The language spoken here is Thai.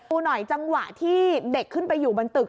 ดูหน่อยจังหวะที่เด็กขึ้นไปอยู่บนตึก